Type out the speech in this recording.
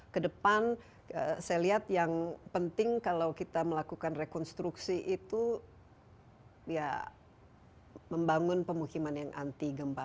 kedepan saya lihat yang penting kalau kita melakukan rekonstruksi itu ya membangun pemukiman yang anti gempa